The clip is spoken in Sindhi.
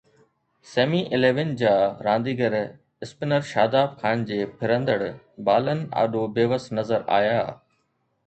سيمي اليون جا رانديگر اسپنر شاداب خان جي ڦرندڙ بالن آڏو بيوس نظر آيا.